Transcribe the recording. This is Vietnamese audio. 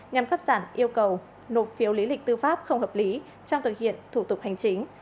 nhằm cắt giảm yêu cầu nộp phiếu lý lịch tư pháp không hợp lý trong thực hiện thủ tục hành chính